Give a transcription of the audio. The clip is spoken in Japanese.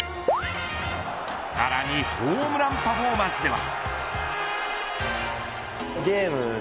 さらにホームランパフォーマンスでは。